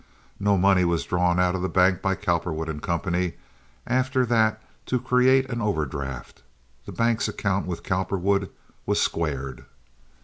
No money was drawn out of the bank by Cowperwood & Co. after that to create an overdraft. The bank's account with Cowperwood was squared.